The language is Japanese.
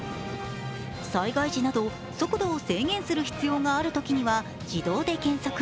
災害時など速度を制限する必要があるときには自動で減速。